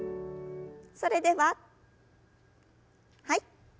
それでははい。